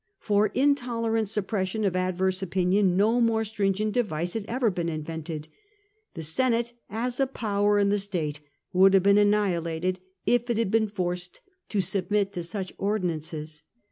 For intolerant suppression of adverse opinion no more stringent device had ever been invented. The Senate as a power in the state would have been annihilated, if it had been forced to submit to such ordinances.